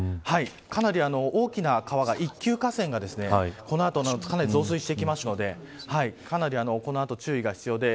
かなり大きな一級河川がこの後、かなり増水してくるのでかなりこの後注意が必要です。